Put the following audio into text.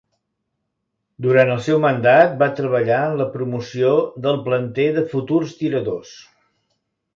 Durant el seu mandat va treballar en la promoció del planter de futurs tiradors.